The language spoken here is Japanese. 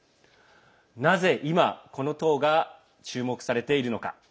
なぜ今この党が注目されているのか。